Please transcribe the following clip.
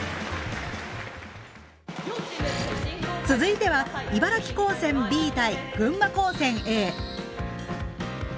続いては茨城高専Ｂ対群馬高専Ａ。